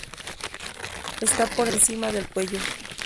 Está por encima del cuello.